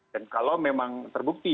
dan kalau memang terbukti